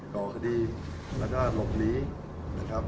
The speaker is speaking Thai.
สวัสดีครับสวัสดีครับ